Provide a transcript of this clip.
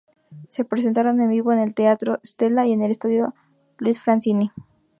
Se presentaron en vivo en el Teatro Stella y en el estadio Luis Franzini.